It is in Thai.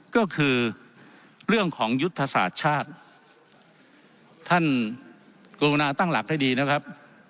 ก็คือเรื่องของยุทธศาสตร์ชาติท่านกรุณาตั้งหลักให้ดีนะครับ